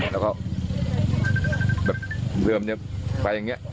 แล้วเขาเรือมไปอย่างนี้